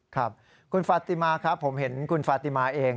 ครับคุณฟาติมาครับผมเห็นคุณฟาติมาเอง